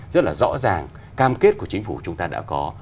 rất là rõ ràng cam kết của chính phủ chúng ta đã có